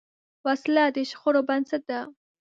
وسله د شخړو بنسټ ده